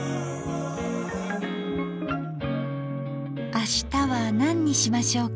明日は何にしましょうか。